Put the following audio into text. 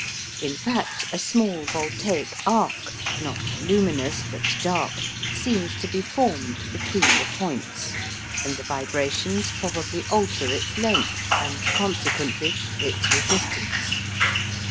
In fact, a small "voltaic arc," not luminous, but dark, seems to be formed between the points, and the vibrations probably alter its length, and, consequently, its resistance.